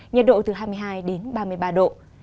nhiệt độ từ hai mươi hai đến ba mươi ba độ